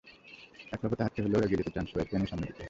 একলা পথে হাঁটতে হলেও এগিয়ে যেতে চান সবাইকে নিয়ে সামনের দিকে।